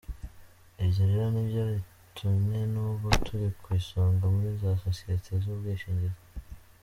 Ibyo rero nibyo bitumye n’ubu turi ku isonga muri za sosiyete z’ubwishingizi.